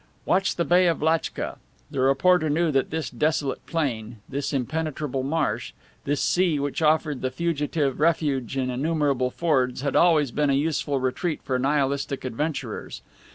"Watch the Bay of Lachtka!" The reporter knew that this desolate plain, this impenetrable marsh, this sea which offered the fugitive refuge in innumerable fords, had always been a useful retreat for Nihilistic adventurers.